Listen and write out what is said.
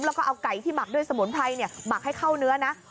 แล้วก็เอาไก่ที่หมักด้วยสมุนไพรหมักให้เข้าเนื้อนะ